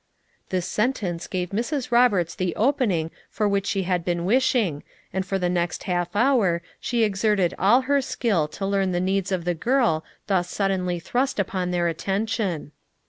This sentence gave Mrs. Roberts the opening for which she had been wishing and for the next half hour she exerted all her skill to learn the needs of the girl thus suddenly thrust upon their attention.